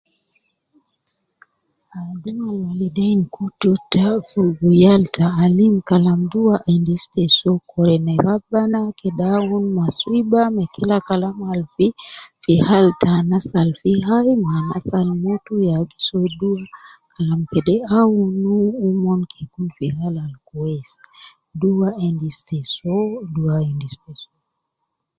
Dor Al walidein kutu fogo yal fi taalim Kalam duwa endis te so Kore na Rabbana kede aunu maswiba me Kila Kalam Al fii fi Hal ta anas Al fi hayi ma anas Al mutu ya gi so duwa. Kalam kede aunu umon kede Kun fi Hal Al kweis. Duwa endis te so.